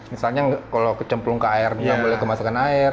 misalnya kalau kecemplung ke air nggak boleh kemasakan air